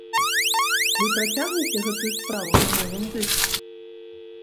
Вы працягнеце гэтую справу на новым дыску?